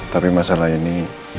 tapi masalah ini